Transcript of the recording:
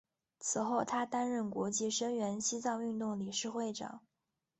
此后他担任国际声援西藏运动理事会长。